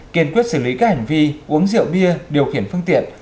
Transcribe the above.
kiên quyết xử lý các hành vi uống rượu bia điều khiển phương tiện